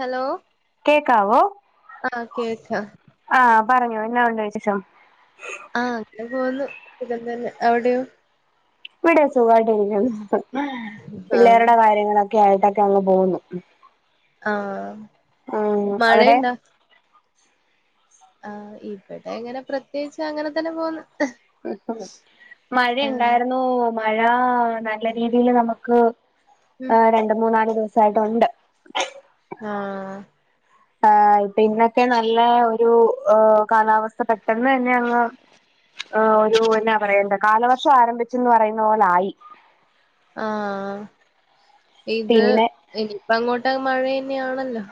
Hello കേക്കാവോ ആഹ് കേക്കാം ആ. പറഞ്ഞോ എന്നാ ഉണ്ട് വിശേഷം. ആ അങ്ങനെ പോവുന്നു. സുഖം തന്നെ, അവിടെയോ? ഇവിടെ സുഖായിട്ടിരിക്കുന്നു. ആഹ് പിള്ളേരുടെ കാര്യങ്ങള് [unintelligible] അങ്ങ് പോവുന്നു. ആ.. ഉം അവിടെ. ആ ഇവിടെ എങ്ങനെ പ്രത്യേകിച്ച് അങ്ങനെ തന്നെ പോന്ന്. ആഹ് മഴയെണ്ടായിരുന്നു. മഴാ നല്ല രീതിയിൽ നമുക്ക് ഉം ആ രണ്ട് മൂന്നാല് ദിവസം. ഉണ്ടായിട്ടുണ്ട്. ആഹ ആഹ് ഇപ്പൊ ഇന്നൊക്കെ നല്ല ഒരു കാലാവസ്ഥ പെട്ടെന്ന് തന്നെ അങ്ങ്. ആ ഒരു എന്നാ പറയെണ്ടെ. കാലവർഷം ആരംഭിച്ചെന്ന് പറയു [unintelligible] ആ ആ. ഇത് പിന്നെ ഇനിയിപ്പ അങ്ങോട്ട് മഴെ ഇനിയാണല്ലോ.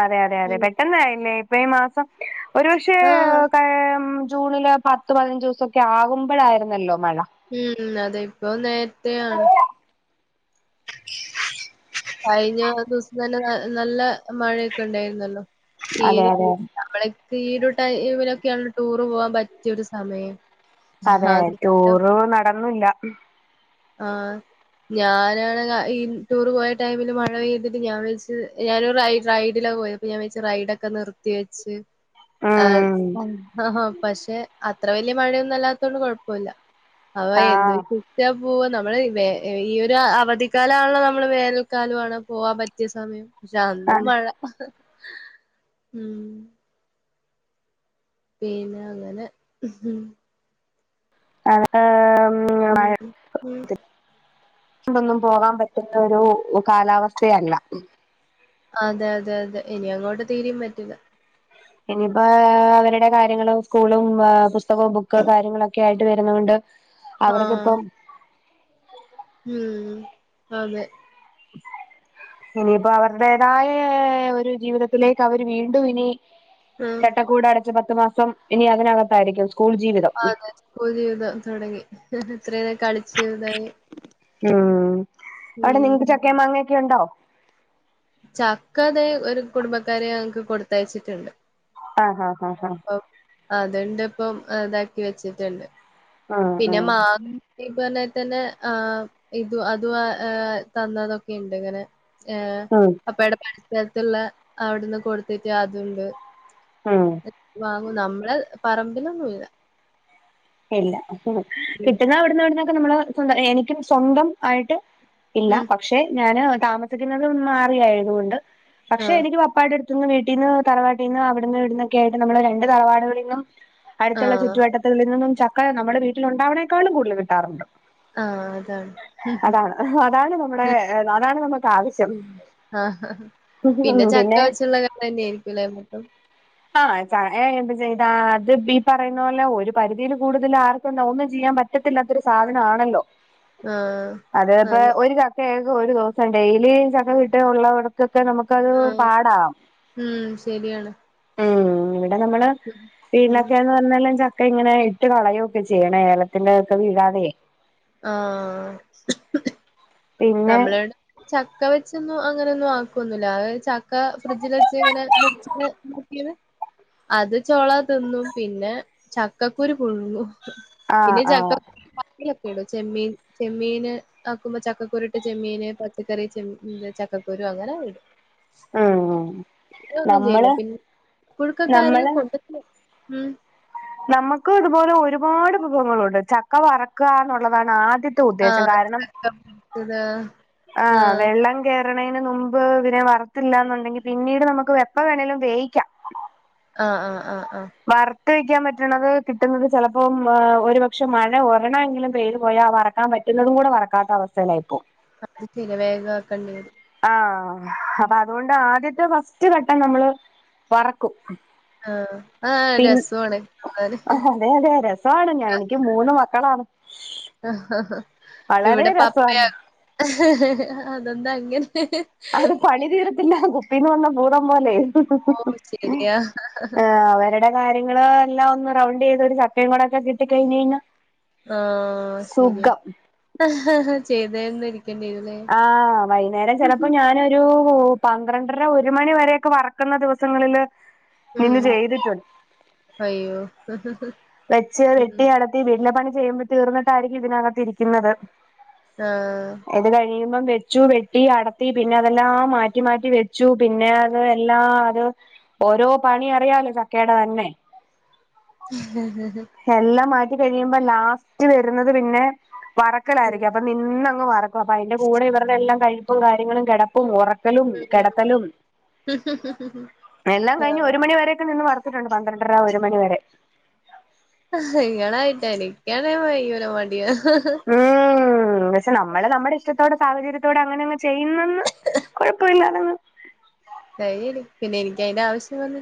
അതെ അതെ അതെ പെട്ടെന്നായില്ലേ മെയ് മാസം ഒരുപക്ഷേ ആഹ് കഴം ജൂണില പത്ത് പതിനഞ്ചൂസൊക്കെ ആകുമ്പഴായിരുന്നല്ലോ ഉം അതെ ഇപ്പോ നേരത്തെയാണ് കഴിഞ്ഞ ദൂസം തന്നെ നൽ നല്ല മഴയൊക്കിണ്ടായിരുന്നല്ലോ അതെ തീരെ അതെ നമ്മളെ ഈയൊരു ടൈമിലൊക്കെയാണ് ടൂറ് പോവാൻ പറ്റിയൊരു സമയം അതെ അന്നേരം ടൂറ് നടന്നില്ല ഉം ആഹ് ഞാനാണ് ആ ഈ ടൂർ പോയ ടൈമില് മഴ പെയ്തിട്ട് ഞാൻ വിയാച്ച് ഞാനൊരു റൈഡ് റൈഡിലാ പോയത് പ്പ ഞാൻ വിയാച്ച് റൈഡക്ക നിർത്തി വെച്ച് അത് ഉം ആഹാ പക്ഷേ അത്ര വല്ല്യ മഴയൊന്നും അല്ലാത്തോണ്ട് കൊഴപ്പൊല്ല അവ എന്ത് ആഹ് വിശ്വസിച്ചാപ് പൂവ നമ്മള് വേ ഏ ഈ ഒരു അ അവധിക്കാലാണ് നമ്മള് വേനൽക്കാലോവാണ് പോവാൻ പറ്റിയ സമയം ക്ഷെ അന്നും അതെ മഴ ഉം പിന്നങ്ങനെ ആഹ് ആം ഉം ഉം ഉം കൊണ്ടൊന്നും പോകാൻ പറ്റുന്ന ഒരു കാലാവസ്ഥയല്ല അതെ അതെ അതെ ഇനിയങ്ങോട്ട് തീരെയും പറ്റില്ല ഇനിയിപ്പോ അവരുടെ കാര്യങ്ങളും സ്കൂളും ആ പുസ്തകവും ബുക്ക് കാര്യങ്ങളൊക്കെ ആയിട്ട് വരുന്ന കൊണ്ട് ആഹ് അവർക്കിപ്പം ഉം അതെ [inaudible] ഇനിയിപ്പോ അവരുടേതായേ ഒരു ജീവിതത്തിലേക്കവര് വീണ്ടുവിനി ആഹ് ചട്ടക്കൂടടച്ച് പ ത്ത് മാസം ഇനി അതിനകത്തായിരിക്കും സ് അതെ സ്കൂൾ ജീവിതം തൊടങ്ങി ഇത്രേം കളിച്ചിതായി ഉം അവിടെ നിങ്ങ്ക്ക് ചക്കേം മാങ്ങേ ക്കിയുണ്ടോ ചക്ക ദേ ഒരു കുടുംബക്കാര് ഞങ്ങ്ക്ക് കൊടുത്തയച്ചിട്ട്ണ്ട് ആഹ് ഹാ ഹാ ഹാ അത്ണ്ട് പ്പം എ താക്കി വെച്ച്ട്ടുണ്ട് ആഹ് പിന്നെ ആഹ് മാ ഈ പർഞാരി തെന്നെ ആ ഇതു അതും് തന്നതൊക്കെ ഉണ്ട് ഇങ്ങനെ ഏ ഉം അപ്പെ എടെ [inaudible] ട്ത്ത്ള്ള അവിടുന്ന് കൊടുത്തിട്ട് അത് ഉണ്ട് ഉം വാങ്ങൂ നമ്മള് പറമ്പിലൊന്നു ല്ല ഇല്ല മ് കിട്ടുന്ന അവിട് ന്നെവ്ട്ന്നൊ പ്പ നമ്മള് എനിക്കും സ്വന്തം ആയിട്ട് ഇല്ല ഉം പക്ഷെ ഞാന് താമസിക്കുന്നത് മാറി ആയതുകൊണ്ട് പക്ഷെ ആഹ് എനിക്ക് പപ്പായ്ടെട് ത്ത്ന്ന് വീട്ടീന്ന് തറവാട്ടീന്ന് അവടെന്ന് ഇവട്ന്നൊക്കായിട്ട് നമ്മള് രണ്ട് തറവാടുകളിന്നും അട്ത്തുള്ള ആഹ് ചുറ്റുവട്ടത്തുള്ള നിന്നും ചക്ക നമ്മുടെ വീട്ടില് ണ്ടാവ്ണേക്കാളും കൂടുല് കിട്ടാറുണ്ട്. ആഹ് അതാണ് അതാണ് അതാണ് നമ്മടെ അതാണ് നമ താവശ്യം. ആഹ് പിന്നെ ചക്ക വെച്ചുള്ള കാലം തന്നെയായിരിക്കു ലെ മൊത്തം. ആഹ് ച്ച ഏ ങ്ങട്ട് ചെയ്താ അത് ബി പറയണ പോലെ ഒരു പരിധിയില് കൂടുതൽ ആർക്കും ഒന്നും ചെയ്യാൻ പറ്റത്തില്ലാത്തൊരു സാധനാണല്ലോ ആഹ് അതേ പ്പോ അതെ ഒരു ചക്ക ഒരു ദോസം ഡെയ്ലി ചക്ക കിട്ട ഉള്ളയിട തൊക്കെ നമുക്കത് ആഹ് പാടാവാം. ഉം ശരിയാണ് നമ്മള് ഉം വീട്ടിലൊക്കെന്ന് പറഞ്ഞാല് ച ഒക്കെ ഇങ്ങനെ ഇട്ട് കളയൊക്കെ ചെയ്യണെ ഏലത്തിന്റെ ഒക്കെ വീഴാതെ ആഹ് പിന്നെ നമ്മളിവിടെ ചക്ക വെച്ച് ന്നു അങ്ങനൊന്നും ആക്കുവൊന്നുല്ല അ ചക്ക ഫ്രിഡ്ജിലെച്ച് ങ്ങനെ മുറ്ച്ട്ട് മുക്കിയത് അത് ചോള തിന്നും പിന്നെ ചക്കക്കുരു പുഴുങ്ങും. ആ പിന്നെ ആ ചക്ക [unintelligible] കെടു. ചെമ്മീൻ ചെമ്മീന് ആക്കുമ്പോ ചക്കക്കുരു ത് ചെമ്മീന്, പച്ചക്കറി, ചെമ് ചക്കക്കുരു അങ്ങനെടും. ഉം ചെയ്യില്ല നമ്മള് പിന്നെ നമ്മള് മ് നമ്മക്കു ഇതുപോലെ ഒരുപാട് വിഭവങ്ങളുണ്ട്. ചക്ക വറക്കാ ന്നുള്ളതാണ് ആദ്യ ആഹ് [unintelligible] ആഹ് പറയ്ണേന് നുമ്പ് പിന്നെ വർത്തില്ലാന്നുണ്ടെങ്കി പിന്നീട് നമുക്ക് എപ്പ വേണേലും വേയിക്കാം ആഹ് ആഹ് ആഹ് ആഹ് വർ വിട്ട വെക്കാൻ പറ്റുന്നത് കിട്ടുന്നത് ചിലപ്പോം ഒരു പക്ഷെ മഴ ഒരണമെങ്കിലും പെയ്തു പോയാൽ വറക്കാൻ പറ്റുന്നതും കൂടെ വറുക്കാൻപറ്റാത്ത അവസ്ഥയിലായിപ്പോവും അത് ശരിയാ വേഗം ആക്കേണ്ടി വരും ആഹ് അപ്പൊ അതുകൊണ്ട് ആദ്യ ഫസ്റ്റ് ഘട്ടം നമ്മള് വറക്കും ആഹ് ആഹ് പിൻ രസമാണ് കാണാന് അതെ അതെ രസവാണ് ഞാൻ എനിക്ക് മൂന്ന് മക്കളാണ് ആ വളരെ ഇവിടെ പപ്പയ രസമാണ് അതെന്താ അങ്ങനെ ഇല്ല കുപ്പീന്ന് വന്ന ഭുതംപോലെ ഓ ശരിയാ ത്തെ കാര്യങ്ങൾ എല്ലാം ഒന്ന് റൗണ്ടെയ്ത് ഒരു ചക്കയും കൂടെയൊക്കെ കിട്ടിക്കഴിഞ്ഞ് കഴിഞ്ഞാ ആഹ ശരിയാ സുഖം ചെയ്തായിരുന്ന ആ വൈന്നേരം ചെലപ്പോ ഞാനൊരൂ പന്ത്രണ്ടര ഒരു മണി വരെയൊക്കെ വറക്കന്ന ദിവസങ്ങളില് നിന്ന് ഉം ചെയ്തിട്ടുണ്ട് അയ്യോ വെച്ച് ഉം വെട്ടി അടത്തി വെ എല്ലാ പണി ചെയ്യുമ്പോ തീർന്നിട്ടായിരിക്കും ഇതിനകത്തിയിരിക്ക്ന്നത്. ആ വെച്ചു വെട്ടി അടത്തി പിന്നെ അതെല്ലാം മാറ്റി മാറ്റി വെ ച്ചു പിന്നെ അത് എല്ലാം അത് ഓരോ പണി അറിയാലോ ചക്കയുടെ തന്നെ റ്റി കഴിയുമ്പോ ലാസ്റ്റ് വരുന്നത് പിന്നെ വറക്കലായിരിക്കും അപ്പൊ നിന്ന വറ അപ്പോ അതിന്റെ കൂടെ ഇവിരുടെയെല്ലാം കഴി കാര്യങ്ങളും കിടപ്പും ഉറക്ക ലും കിടത്തലും എല്ലാം കഴിഞ്ഞു ആഹ് ഒരു മണി വരയൊക്കെ നിന്ന് വറുത്തു പന്ത്രണ്ടര ഒരു മണിവരെ ഇങ്ങളായിട്ടാ എനിക്കാണെ കയ്യൂല മടിയാ ഉം പക്ഷേ നമ്മള് നമ്മടെ ഇഷ്ട ത്തോടെ സാഹചര്യത്തോടെ അങ്ങനെ അങ്ങ് ചെയ്യുന്നന്ന് കൊഴപ്പം ഇല്ലാതെ ശരിയാണ് പിന്നെ എനിക്ക് അയിന്റെ ആവശ്യം വ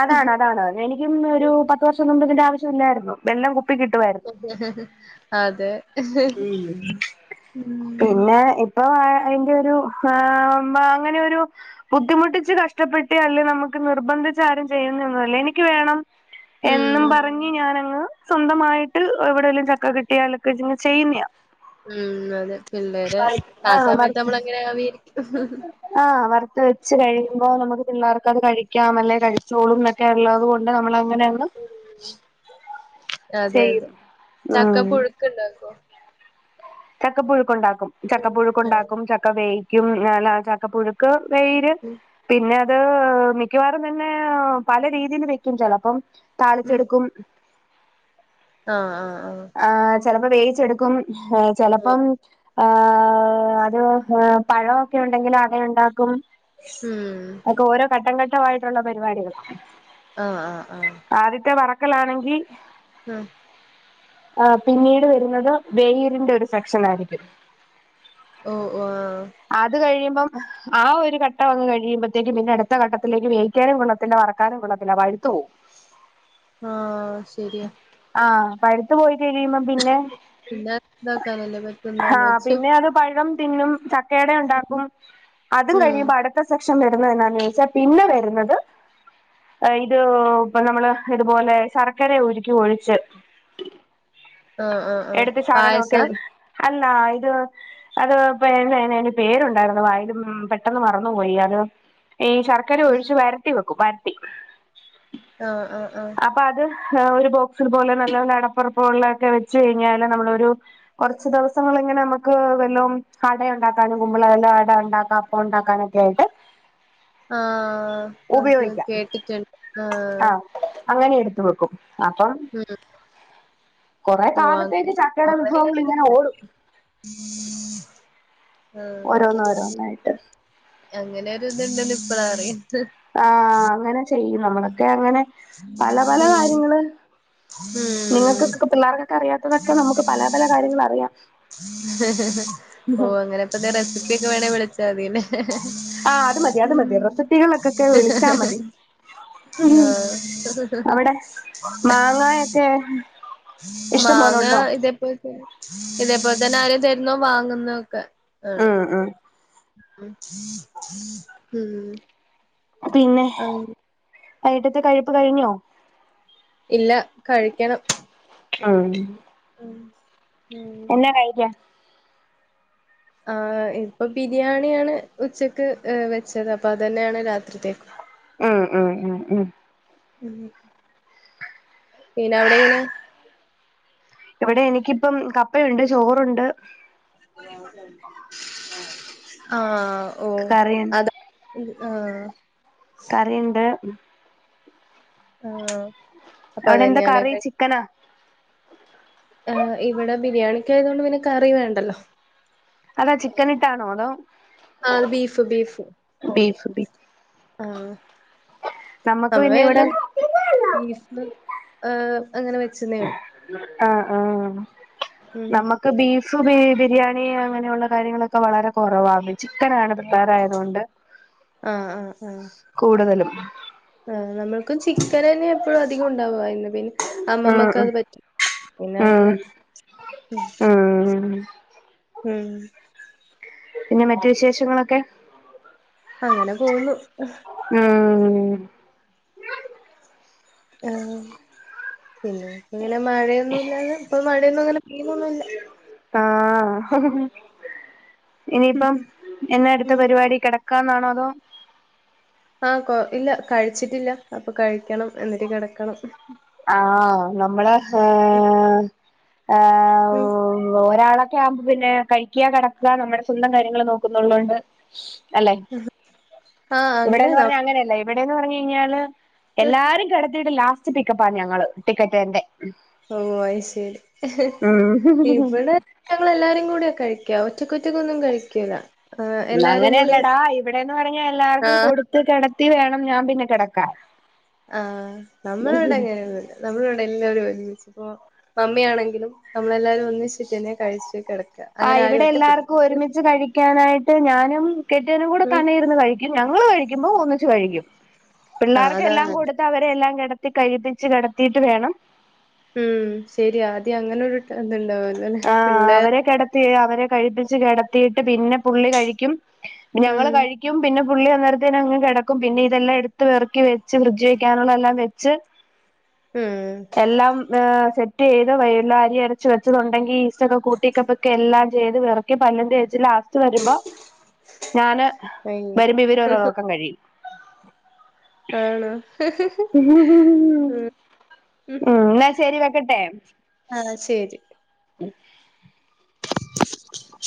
അതാണ് അതാണ് അത് എനിക്കും ഒരു പത്ത് വർഷം മുമ്പ് ഇതിന്റെ ആവ ര്ന്നു [unintelligible] അതെ ഉം ഉം പിന്നെ ഇപ്പൊ അയിന്റെ ഒരു [unintelligible] അങ്ങനൊരു ബുദ്ധിമുട്ടിച്ച് കഷ്ടപ്പെട്ട് അല്ലെ നമുക്ക് നിർബന്ധിച്ച് ആരും ചെയ്യുന്നൊന്നല്ല എനിക്ക് വേണം. ഉം എന്നും പറഞ്ഞു ഞാനങ്ങ് സ്വന്തമായിട്ട് എവിടെയെലും ചക്ക കിട്ടിയാലൊക്കെ ച് ചെയ്യുന്നയാ. മ്മ് അതെ പിള്ളേര് ആ ആഹ് സമയത്ത് വറുത്ത് നമ്മള് അങ്ങനെ വീട്ടി ആഹ് ആ വെച്ച് കഴിയുമ്പോ നമക്ക് പിള്ളേർ ചിക്കൻ കഴിക്കാം അല്ലെ കഴിച്ചോളും എന്നോക്കെ ഉള്ളത് കൊണ്ട് [unintelligible] അങ്ങനെയന്ന് അതെ അതെ ചെയ്യുതു ചക്ക പുഴുക്കുണ്ടാക്കോ? ചക്ക പുഴുക്കുണ്ടാക്കും ചക്ക ഉം. ആഹ് പുഴുക്കുണ്ടാക്കും ചക്ക വേ [unintelligible] ചക്ക പുഴുക്ക് വയിര് ഉം പിന്നെ ത് മിക്കവാറും പിന്നെ പല രീതിയിൽ വെക്കും ചിലപ്പോൾ ഉം താളിച്ചെടുക്കും ആ ആ ആ ചിലപ്പോ വേവിച്ചെടുക്കും ആഹ് ആഹ് ചിലപ്പം ആ അത് പഴമൊക്കെണ്ടെങ്കിൽ അട ഉണ്ടാക്കും ഉം അതൊക്കെ ഓരോ ഘട്ടം ഘട്ടമായി [unintelligible] യിട്ടുള്ള പരിപാടികൾ ആ ആ ആ ക്കലാണെങ്കി ആ ആ പിന്നീട് വരുന്നത് വെയിറിന്റെ ഒരു സെക്ഷൻ ആയിരിക്കും ഓ ഓ ആഹ് അത് കഴിയും. മ്പം ആ ഒരു ഘട്ടവങ്ങ് കഴിയുമ്പഴത്തേക്കും പിന്നെ അടുത്ത ഘട്ടത്തിലേക്ക് വേവിക്കാനും കൊള്ളത്തില്ല വറക്കാനും കൊള്ളത്തില്ല പഴുത്തു പോവും ആഹ് ശരിയാ ആഹ് പഴുത്തു പോയി കിഴിയുമ്പം പിന്നെ പിന്നെ ഇതാക്കാനല്ലേ ഹാ പറ്റുന്നാന്ന് വെച്ച് പിന്നെയത് പഴം തിന്നും ചക് ക്കയട ഉം ഒണ്ടാക്കും അതും ഉം. കഴിയുമ്പ അടുത്ത സെക്ഷ് ക്ഷൻ വരുന്നത് എന്നാന്ന് ചോയ്ച്ചാ പിന്നെ വരുന്നത് അ ഇത് ഇപ്പം നമ്മള് ഇതുപോലെ ശർക്കര ഉരുക്കി ഒഴിച്ച് ആഹ് ആഹ് ആഹ് പായസാ? അല്ലാ ഇത് അത് പിന്നെ [unintelligible] പേരൊണ്ടായിരുന്നു വായിലും പെട്ടെന്ന് മറന്നുപോയി അത് ഈ ശർക്കര ഒഴിച്ച് ഉം വരട്ടി വെക്കും വര് ആഹ് ആഹ് ആഹ് ഹാ ഒരു ബോക്സിത് പോലെ നല്ല നല്ല അടപ്പൊറപ്പൊള്ള ഒക്കെ വെച്ച് കഴിഞ്ഞാല് നമ്മളൊരു കൊറച്ച് ദെവസങ്ങളിങ്ങനെ നമുക്ക് വല്ലോം അടയൊണ്ടാക് ക്കാനും കുമ്പിളെല അട ഇണ്ടാക്കാം അപ്പം ഒണ്ടാക്കാനൊക്കെ ആയിട്ട് ആഹ് അത് ഉപയോഗിക്കാം കേട്ടിട്ടുണ് ആഹ് അങ്ങനെ എടുത്തു വെക്കും അപ്പം ഉം കൊറേ ഓഹ് കാലത്തേക്ക് അങ്ങനെ ചക്കേട കൊറേ ഉണ്ട് വിഭവങ്ങളിങ്ങനെ ഓടും ആഹ് ഓരോന്ന് ഓരോന്നായിട്ട് അങ്ങനെ [unintelligible] ആഹ് അങ്ങനെ ചെയ്യും നമ്മളൊക്കെയങ്ങനെ പല പല ഉം കാര്യങ്ങള് ഉം നിങ്ങക്കെക്ക പിള്ളേറകാ കറിയാത്തതൊക്കെ നമുക്ക് പല പല കാര്യങ്ങളറിയാം ഓ അങ്ങനെ പ്പെന്തേ റെസിപ്പിയൊക്കെ വേണേ വിളിച് ച്ചാതിയെന്നെ ആഹ് അത് മതി അത് മതി റെസിപ്പികളൊക്കൊക്കെ വിളിച്ചാ മതി ആഹ് അവിടെ മാങ്ങായൊക്കെ ഇഷ്ടം പോലെ മാങ്ങ ഉണ്ടോ ഇതേപോൽ ഇതേപോലെ തന്നെ ആരേം തരുന്നോം വാങ്ങുന്നോക്കെ ആണ് ഉം ഉം ഉം പിന്നെ ആഹ് വൈട്ടത്തെ കഴിപ്പ് കഴിഞ്ഞോ ഇല്ല കഴിക്കണം ആഹ് ഉം ഉം എന്നാ കഴിക്ക ആ ഇപ്പൊ ബിരിയാണിയാണ് ഉച്ചക്ക് വെച്ചത് അപ്പൊ അതന്നെയാണ് രാത്രിത്തേക്കും ഉം ഉം ഉം ഉം ഉം പിന്നെ അവിടെ എങ്ങനെയാ ഇവിടെ എനിക്കിപ്പം കപ്പയുണ്ട് ചോറുണ്ട് ആഹ ഓ അത [inaudible] ആഹ് കറിണ്ട് ആഹ് അപ്പൊ അവിടെ എന്താ അതന്നെയാണ് കറി ചിക്കനാ ആ ഇവിടെ ബിരിയാണിക്ക ആയതൊണ്ട് പിന്നെ കറി വേണ്ടല്ലോ അതാ ചിക്കൻ ഇട്ടാണോ അതോ ആഹ ബീഫ് ബീഫ് ബീഫ് ബീഫ് ആഹ നമ്മക്ക് നമ്മ പിന്നെ ഇവിടെ എല്ലാം [unintelligible] സ് ബീഫ് ആ അങ്ങനെ വെച്ചുന്നേള്ളു ആഹ ആഹ നമുക്ക് ബീഫ് ബി ബിരിയാണി അങ്ങനെയുള്ള കാര്യങ്ങളൊക്കെ വളരെ കുറവാണ് ചിക്കന ആണ് റായതുകൊണ്ട് കൂടുതലും ആ നമ്മുക്കും ചിക്കൻ തന്നെ എപ്പോഴും അധികം ഉണ്ടാവ ഇന്ന് പിന്നെ ഉം അമ്മമ്മക്ക് ഉം അത് പറ്റി പിന്നെ ഉം അങ്ങനെ ഉം ഉം പിന്നെ മറ്റു വിശേഷങ്ങളൊക്കെ അങ്ങനെ പോന്നു ഉം ആ പിന്നെ ഇങ്ങനെ മഴയൊന്നുംല്ലാതെ ഇപ്പ മഴയൊന്നും അങ്ങനെ പെയുന്നൊന്നുല്ല ആഹ് ഇനിയിപ്പം എന്നെ അടുത്ത ഉം പരിപാടി കിട ക്കാന്നാണോ അതോ ആഹ കൊ ഇല്ല കഴിച്ചിട്ടില്ല അപ്പൊ കഴിക്കണം എന്നിട്ട് കിടക്കണം ആഹ നമ്മള് ആ ആ ഉം ഓ ഒരാളെ ക്യാമ്പ് പിന്നെ കഴിക്ക്ക കെടക്ക്ക നമ്മുടെ സ്വന്തം കാര്യങ്ങള് നോക്കുന്നുള്ളോണ്ട് അല്ലെ ആഹ് ഇല്ല ഇവിടെന്ന് പറഞ്ഞ അങ്ങനെല്ല ഇവിടെ ങ്ങ [unintelligible] കഴിഞ്ഞാല് എല്ലാരും കെടത്തിട്ട് ലാസ്റ്റ് ടിക്കപ്പാ ഞങ്ങള്ൾ ടിക്കറ്റ് തന്റെ ഓ അയി ശരി ഹ്ഹ് ഉം ഇവിടെ ഞങ്ങൾ എല്ലാരും കൂടെ കഴിക്ക ക്യാഓൻ എല്ലാരും കൂടി അങ്ങനെയല്ലടാ ഇവിടെന്ന് പറഞ്ഞാ എല്ലാർക്കും ആഹ് കൊടുത്ത് കിട ത്തി വേണം ഞാൻ പിന്നെ കെടക്കാൻ ആ നമ്മള്ടെ അങ്ങനെയൊന്നൂല്ല നമ്മളിവ്ടെ എല്ലാരും ഒരിമിച്ചു പ്പോ മമ്മിയാണെങ്കിലും നമ്മളെല്ലാരു ഒന്നിച്ചിട്ട് തന്നെ കഴിച്ചു കിടക്ക ആഹ് അങ്ങനെ ആരും ഇവിടെ ഒറ്റപ്പെ [inaudible] നും കെട്ടിയോനും കൂടെ തന്നെ ഇരുന്ന് കഴിക്കും ഞങ്ങള് കഴി ക്കുമ്പൊ ഒന്നിച്ചു കഴിക്കും. ആഹ് അതാ പിള്ളാർക്കെല്ലാം നല്ലെ കൊടുത്ത് അവരെയെല്ലാം കെ ടത്തി കയ്യിപ്പിച്ച് കെടത്തിയിട്ട് വേണം ഉം ശര്യാ ആദ്യ അങ്ങനൊരു ഇത്ണ്ടാവ ആ അവരെ കെടത്തി അവരെ കഴിപ്പിച്ച് കെടത്തിയിട്ട് പിന്നെ പുള്ളി കഴിക്കും ഉം ഞങ്ങള് കഴിക്കും പിന്നെ പുള്ളി അന്നേരത്തേന് അങ്ങ് കെടക്കും പിന്നെ ഇതെല്ലാം എടുത്ത് പെറക്കി വെച്ച് ഫ്രിഡ്ജി വെക്കാനുള്ള എല്ലാം വെച്ച് ഉം എല്ലാം ഏഹ് സെറ്റ് ചെയ്ത് [unintelligible] അരിയരച്ചു വെച്ചതോ ണ്ടങ്കി ഈസ്റ്റൊക്കെ കൂട്ടി [unintelligible] എല്ലാം ചെയ്ത് പെറുക്കി പല്ലും തേച്ച് ലാ സ്റ്റ് വരുമ്പോ ഞാന് അയ് വരുമ്പോ ഇവര് ഒരൊറക്കം കഴിയും. ആണോ ഹ്ഹ്ഹ് ഉം ഉം ഹ് എന്നാ ശരി ആഹ് ശരി ഉം